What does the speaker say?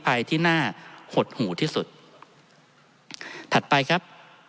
ท่านประธานครับนี่คือสิ่งที่สุดท้ายของท่านครับ